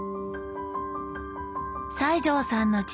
西城さんの父